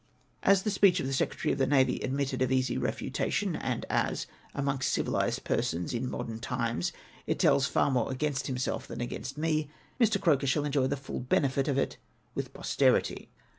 As the speech of the Secretary of the Navy admitted of easy refuta tion, and as — amongst civihsed persons in modern times — it tells far more against himself tlian a2;;ainst me, Mr. Croker shall enjoy the benefit of it with posterity.